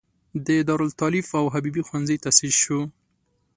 د دارالتالیف او حبیبې ښوونځی تاسیس شول.